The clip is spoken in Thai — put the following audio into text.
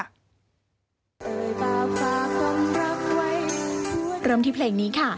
เริ่มที่เพลงนี้ค่ะ